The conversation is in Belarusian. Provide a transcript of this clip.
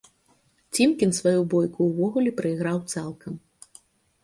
Цімкін сваю бойку ўвогуле праіграў цалкам.